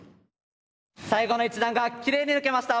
最後の１段がきれいに抜けました！